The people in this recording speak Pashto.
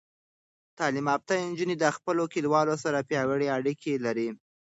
تعلیم یافته نجونې د خپلو کلیوالو سره پیاوړې اړیکې لري.